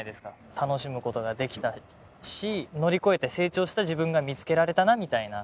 楽しむことができたし乗り越えて成長した自分が見つけられたなみたいな。